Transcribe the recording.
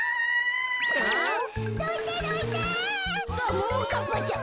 ももかっぱちゃん。